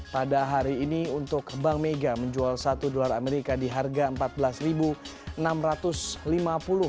pada hari ini untuk bank mega menjual satu dolar amerika di harga rp empat belas enam ratus lima puluh